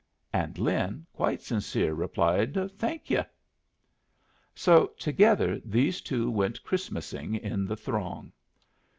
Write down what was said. And Lin, quite sincere, replied, "Thank yu'." So together these two went Christmasing in the throng.